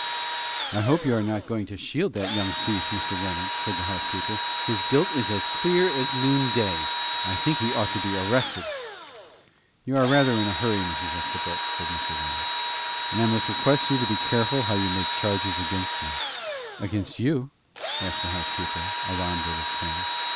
"I hope you are not going to shield that young thief, Mr. Reynolds," said the housekeeper. "His guilt is as clear as noonday. I think he ought to be arrested." "You are rather in a hurry, Mrs. Estabrook," said Mr. Reynolds; "and I must request you to be careful how you make charges against me." "Against you?" asked the housekeeper, alarmed at his tone.